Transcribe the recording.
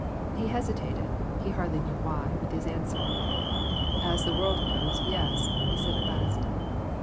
He hesitated, he hardly knew why, with his answer. "As the world goes, yes," he said at last.